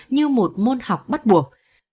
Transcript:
như một môn học bắt buộc